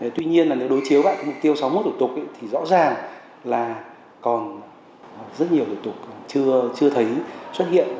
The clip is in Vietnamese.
tuy nhiên là nếu đối chiếu lại mục tiêu sáu mươi một thủ tục thì rõ ràng là còn rất nhiều thủ tục chưa thấy xuất hiện